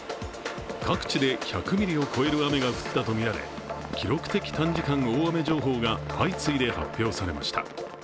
各地で１００ミリを超える雨が降ったとみられ、記録的短時間大雨情報が相次いで発表されました。